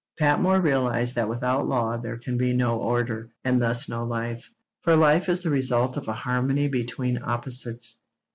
Patmore realised that without law there can be no order, and thus no life; for life is the result of a harmony between opposites.